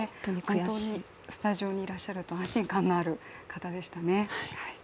本当にスタジオにいらっしゃると安心感のある方でしたね。